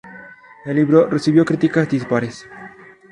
El libro recibió críticas dispares.